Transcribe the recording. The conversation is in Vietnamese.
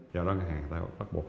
thì ngân hàng bắt buộc